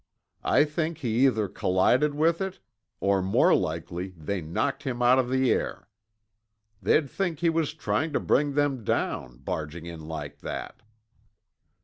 I think he either collided with it, or more likely they knocked him out of the air. They'd think he was trying to bring them down, barging in like that."